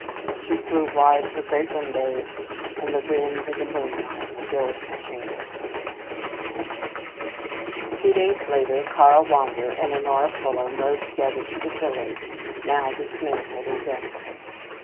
She threw wide her great windows, and the wind and the moonlight filled her chamber. Two days later Karl Wander and Honora Fulham rode together to the village, now dismantled and desolate.